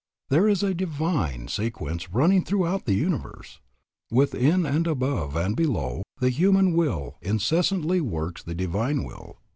There is a divine sequence running throughout the universe. Within and above and below the human will incessantly works the Divine will.